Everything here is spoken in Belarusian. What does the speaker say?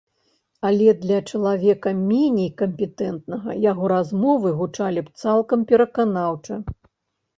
Але для чалавека меней кампетэнтнага яго размовы гучалі б цалкам пераканаўча.